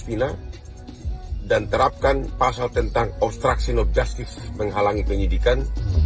kina dan terapkan pasal tentang obstruksi nobjustis menghalangi penyidikan